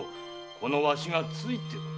このわしが付いておる。